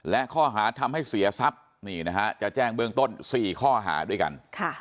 และข้อหาทำให้เสียทรัพย์นี่นะฮะจะแจ้งเบื้องต้น๔ข้อหาด้วยกัน